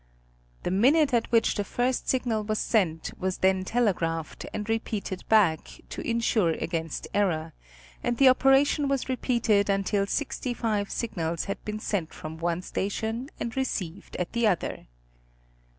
The minute at which the first signal was sent, was then telegraphed, and repeated back, to _ insure against error, and the operation was repeated until sixty five signals had been sent from one station and received at the other.